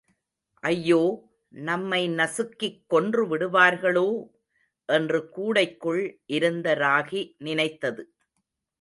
ஐயோ, நம்மை நசுக்கிக் கொன்று விடுவார்களோ! என்று கூடைக்குள் இருந்த ராகி நினைத்தது.